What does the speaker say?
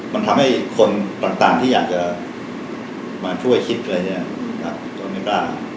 มันทำให้คนต่างที่อยากจะมาช่วยคิดอะไรเนี่ยก็ไม่กล้า